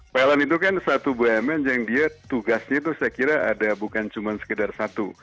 pln itu kan satu bumn yang dia tugasnya itu saya kira ada bukan cuma sekedar satu